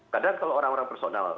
kadang kalau orang orang personal